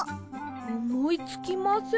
おもいつきません。